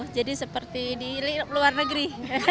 jadi seperti di luar negeri